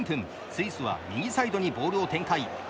スイスは右サイドにボールを展開。